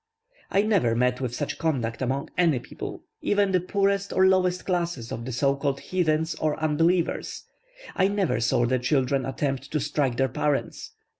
I never met with such conduct among any people even the poorest or lowest classes of the so called heathens or unbelievers; I never saw their children attempt to strike their parents.